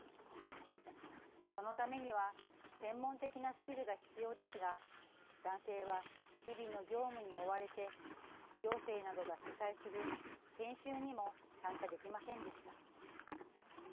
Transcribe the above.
そのためには、専門的なスキルが必要ですが男性は日々の業務に追われて行政などが主催する研修にも参加できませんでした。